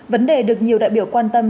vấn đề được nhiều đại biểu quan tâm